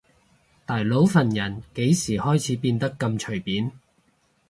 大佬份人幾時開始變得咁隨便